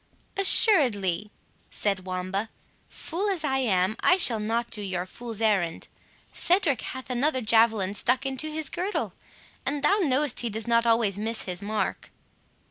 "Assuredly," said Wamba, "fool as I am, I shall not do your fool's errand. Cedric hath another javelin stuck into his girdle, and thou knowest he does not always miss his mark."